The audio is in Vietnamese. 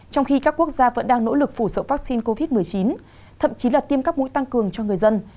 trong khi các quốc gia vẫn đang nỗ lực phủ sợ vaccine covid một mươi chín thậm chí là tiêm các mũi tăng cường cho người dân